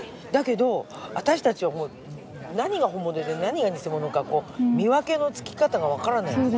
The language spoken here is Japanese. だけど私たちは何が本物で何が偽物か見分けのつき方が分からない。